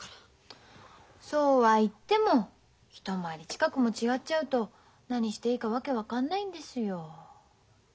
そうは言っても一回り近くも違っちゃうと何していいか訳分かんないんですよ。